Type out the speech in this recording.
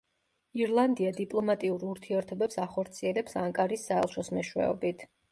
ირლანდია დიპლომატიურ ურთიერთობებს ახორციელებს ანკარის საელჩოს მეშვეობით.